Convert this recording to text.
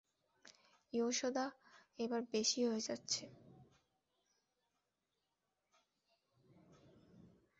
ইয়াশোদা এবার বেশী হয়ে যাচ্ছে।